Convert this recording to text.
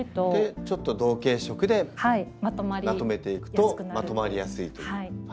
ちょっと同系色でまとめていくとまとまりやすいと。